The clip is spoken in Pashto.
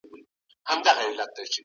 ماشوم له اندېښنې خوندي دی.